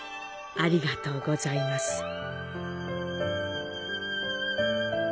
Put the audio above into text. ありがとうございます。